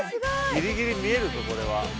ギリギリ見えるぞこれは。